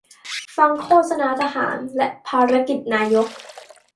ฟังโฆษณาทหาร และภารกิจนายก